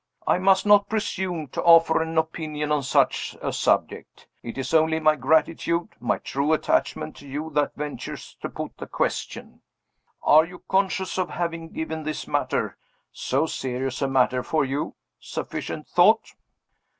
I must not presume to offer an opinion on such a subject. It is only my gratitude, my true attachment to you that ventures to put the question. Are you conscious of having given this matter so serious a matter for you sufficient thought?"